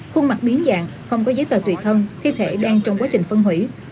khuôn mặt biến dạng không có giấy tờ tùy thân thi thể đang trong quá trình phân hủy